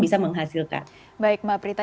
bisa menghasilkan baik mbak prita